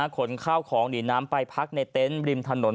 ขนข้าวของหนีน้ำไปพักในเต็นต์ริมถนน